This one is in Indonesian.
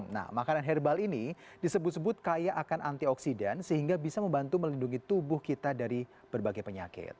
nah makanan herbal ini disebut sebut kaya akan antioksidan sehingga bisa membantu melindungi tubuh kita dari berbagai penyakit